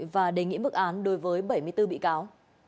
và đề nghị mức án đối với bảy mươi bốn bị cáo